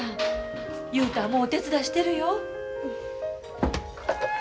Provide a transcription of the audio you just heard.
雄太はもうお手伝いしてるよ。